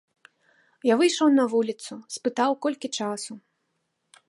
Я выйшаў на вуліцу, спытаў, колькі часу.